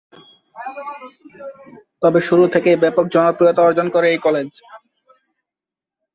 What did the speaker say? তবে শুরু থেকেই ব্যাপক জনপ্রিয়তা অর্জন করে এই কলেজ।